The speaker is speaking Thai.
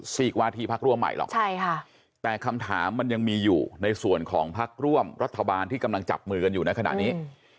กว่าที่พักร่วมใหม่หรอกใช่ค่ะแต่คำถามมันยังมีอยู่ในส่วนของพักร่วมรัฐบาลที่กำลังจับมือกันอยู่ในขณะนี้